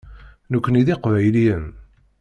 Nekkni d Iqbayliyen.